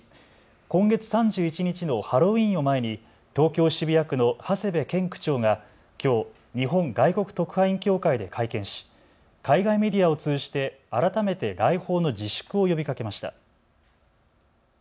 今月３１日のハロウィーンを前に東京渋谷区の長谷部健区長がきょう日本外国特派員協会で会見し海外メディアを通じて改めて来訪の自粛を呼びかけました。